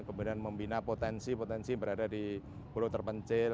kemudian membina potensi potensi berada di pulau terpencil